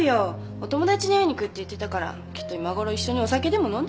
お友達に会いに行くって言ってたからきっと今ごろ一緒にお酒でも飲んでるんじゃない？